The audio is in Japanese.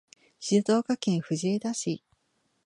静岡県藤枝市